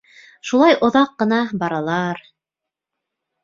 Шулай оҙаҡ ҡына баралар.